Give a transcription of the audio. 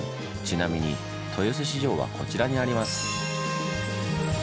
ちなみに豊洲市場はこちらにあります。